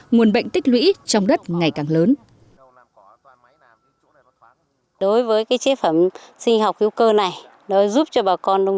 nguồn bệnh tích lũy trong đất ngày càng lớn